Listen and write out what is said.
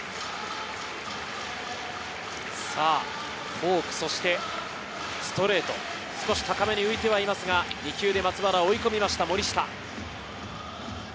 フォーク、そしてストレート、少し高めに浮いてはいますが、２球で松原を追い込みました森下。